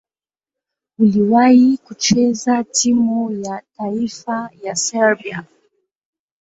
Aliwahi kucheza timu ya taifa ya Serbia.